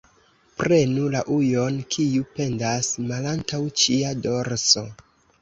Prenu la ujon, kiu pendas malantaŭ cia dorso.